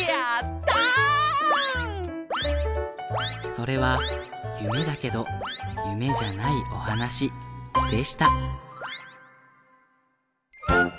それはゆめだけどゆめじゃないおはなしでした。